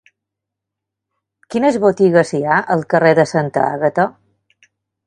Quines botigues hi ha al carrer de Santa Àgata?